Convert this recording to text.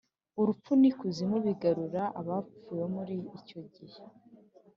Urupfu n’Ikuzimu bigarura abapfuye bo muri icyo gihe